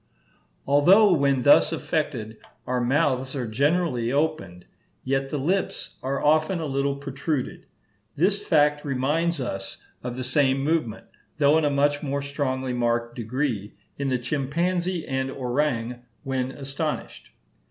Although when thus affected, our mouths are generally opened, yet the lips are often a little protruded. This fact reminds us of the same movement, though in a much more strongly marked degree, in the chimpanzee and orang when astonished.